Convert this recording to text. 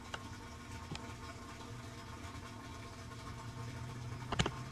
La mayoría de sus trabajos han sobrevivido, particularmente sus iglesias.